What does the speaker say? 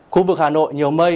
khu vực hà nội nhiều mây